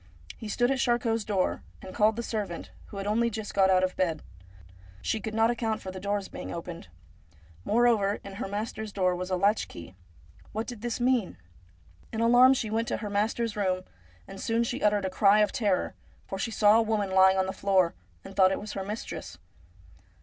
He stood at Charcot's door, and called the servant, who had only just got out of bed. She could not account for the doors being opened. Moreover, in her master's door was a latch key. What did this mean ? In alarm she went to her master's room, and soon she uttered a cry of terror, for she saw a woman lying on the floor, and thought it was her mistress.